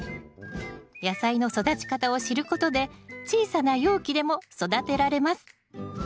野菜の育ち方を知ることで小さな容器でも育てられます。